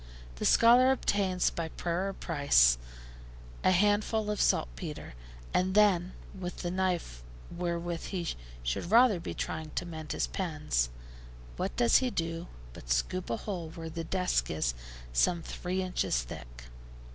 The scholar obtains, by prayer or price, a handful of saltpetre, and then with the knife wherewith he should rather be trying to mend his pens, what does he do but scoop a hole where the desk is some three inches thick.